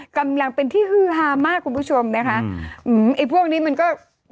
กำลังเป็นที่ฮือฮามากคุณผู้ชมนะคะอืมไอ้พวกนี้มันก็